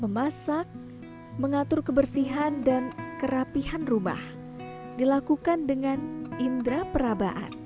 memasak mengatur kebersihan dan kerapihan rumah dilakukan dengan indera perabaan